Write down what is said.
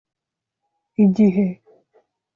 //igihe